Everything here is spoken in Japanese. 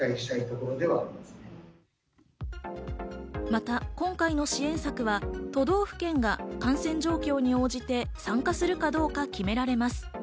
また今回の支援策は、都道府県が感染状況に応じて、参加するかどうか決められます。